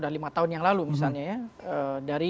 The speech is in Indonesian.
ada yang sudah lima tahun yang lalu misalnya ya